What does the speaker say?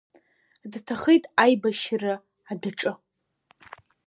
Дҭахеит аибашьра адәаҿы…